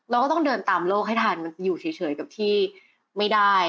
เราก็ต้องเดินตามโลกให้ทันอยู่เฉยกับที่ไม่ได้